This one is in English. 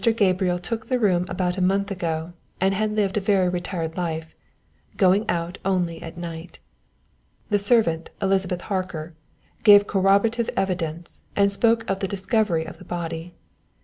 Gabriel took the room about a month ago and had lived a very retired life, going out only at night._ "_The servant, Elizabeth Harker, gave corroborative evidence, and spoke of the discovery of the body.